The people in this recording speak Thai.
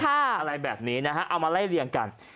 อะไรแบบนี้นะฮะเอามาไล่เรียงกัน